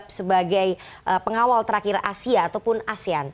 perdana menteri singapura ini dianggap sebagai pengawal terakhir asia ataupun asean